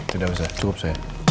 tidak tidak cukup saja